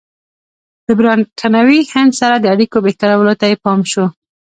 د برټانوي هند سره د اړیکو بهترولو ته یې پام شو.